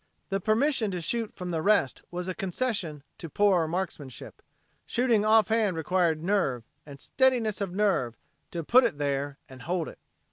The permission to shoot from the rest was a concession to poorer marksmanship. Shooting offhand required nerve, and steadiness of nerve, to "put it there, and hold it."